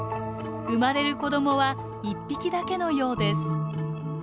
産まれる子供は１匹だけのようです。